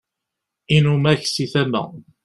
inumak si tama